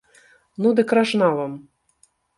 Ну дык ражна вам!